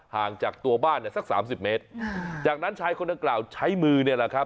ห่างจากตัวบ้านเนี่ยสักสามสิบเมตรจากนั้นชายคนดังกล่าวใช้มือเนี่ยแหละครับ